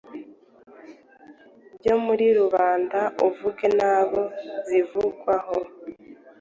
byo muri rubanda uvuge n’abo zivugwaho.